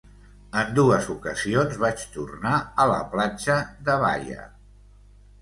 En dues ocasions vaig tornar a la platja de Baia.